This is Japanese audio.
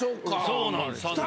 そうなんっす。